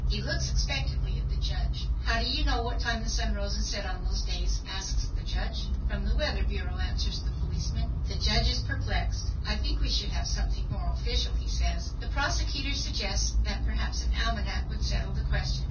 He looks expectantly at the judge. "How do you know what time the sun rose and set on those days?" asks the judge. "From the weather bureau," answers the policeman. The judge is perplexed. "I think we should have something more official," he says. The prosecutor suggests that perhaps an almanac would settle the question.